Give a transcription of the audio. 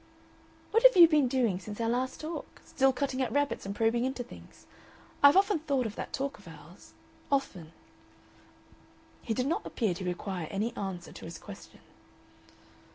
"What have you been doing since our last talk? Still cutting up rabbits and probing into things? I've often thought of that talk of ours often." He did not appear to require any answer to his question.